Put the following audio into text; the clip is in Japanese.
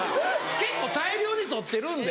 結構大量に撮ってるんで。